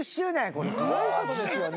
これすごいことですよね。